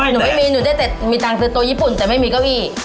หนูไม่มีหนูได้แต่มีตังค์ซื้อตัวญี่ปุ่นแต่ไม่มีเก้าอี้